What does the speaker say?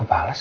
ada apa ya